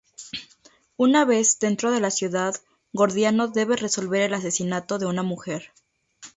Una vez dentro de la ciudad, Gordiano debe resolver el asesinato de una mujer.